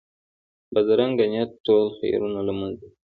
بدرنګه نیت ټول خیرونه له منځه وړي